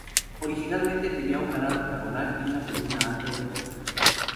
Originalmente tenía un canal octogonal y una columna alta y redonda.